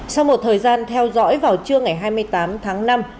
sau một thời gian theo dõi vào trưa ngày hai mươi tám tháng năm